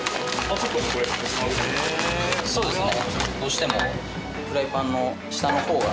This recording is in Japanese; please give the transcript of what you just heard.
そうですね。